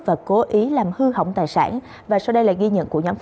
và cố ý làm hư hỏng tài sản